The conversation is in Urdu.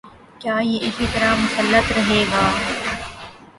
کیا یہ اسی طرح مسلط رہے گا؟